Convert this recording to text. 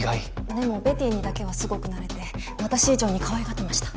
でもＢＥＴＴＹにだけはすごくなれて私以上にかわいがってました。